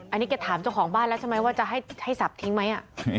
อันนี้แกถามเจ้าของบ้านแล้วใช่ไหมว่าจะให้สับทิ้งไหม